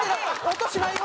音しないよ。